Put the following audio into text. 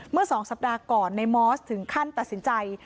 เมื่อ๒สัปดาห์ก่อนในมอสถึงขั้นตัดสินใจ